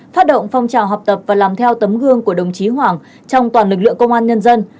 phát động phong trào học tập và làm theo tấm gương của đồng chí hoàng trong toàn lực lượng công an nhân dân